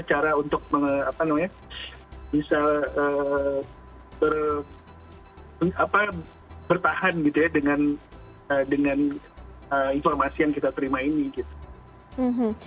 cara untuk bisa bertahan gitu ya dengan informasi yang kita terima ini gitu